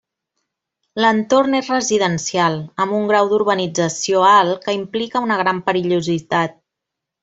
L'entorn és residencial, amb un grau d'urbanització alt, que implica una gran perillositat.